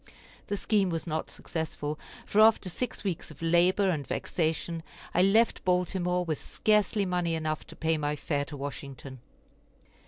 The scheme was not successful, for after six weeks of labor and vexation, I left Baltimore with scarcely money enough to pay my fare to Washington.